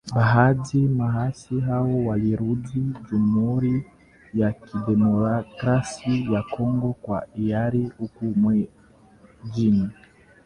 Baadhi ya waasi hao walirudi Jamuhuri ya Kidemokrasia ya Kongo kwa hiari huku wengine